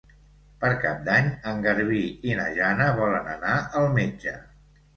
Per Cap d'Any en Garbí i na Jana volen anar al metge.